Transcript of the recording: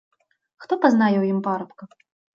Хто пазнае ў ім парабка?